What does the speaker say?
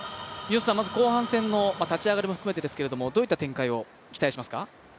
まず後半戦の立ち上がりも含めてですけどどういった展開を期待しますか？